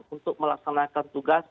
untuk melaksanakan tugas